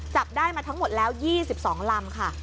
จับได้มาทั้งหมดแล้ว๒๒ลำค่ะ